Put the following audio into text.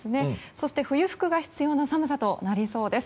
そして冬服が必要な寒さとなりそうです。